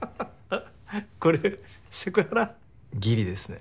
あっこれセクハラ？ぎりですね。